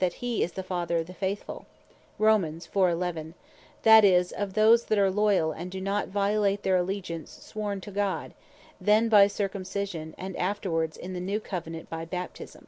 that he is the "Father of the Faithfull," that is, of those that are loyall, and doe not violate their Allegiance sworn to God, then by Circumcision, and afterwards in the New Covenant by Baptisme.